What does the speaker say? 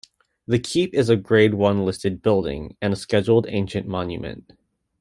The Keep is a Grade One listed building, and a Scheduled Ancient Monument.